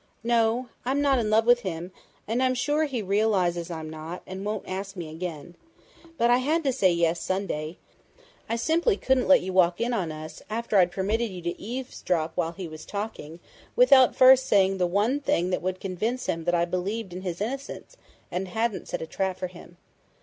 "No. I'm not in love with him, and I'm sure he realizes I'm not and won't ask me again. But I had to say yes Sunday! I simply couldn't let you walk in on us, after I'd permitted you to eavesdrop while he was talking, without first saying the one thing that would convince him that I believed in his innocence and hadn't set a trap for him."